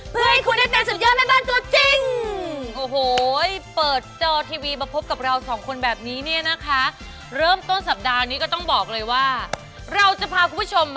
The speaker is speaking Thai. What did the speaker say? เพื่อให้คุณได้เป็นสุดยอดแม่บ้านตัวจริง